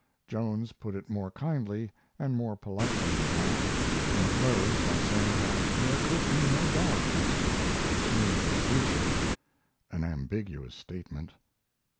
Jones put it more kindly and more politely than that, and closed by saying that there could be no doubt as to the machine's future an ambiguous statement.